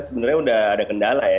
sebenarnya sudah ada kendala ya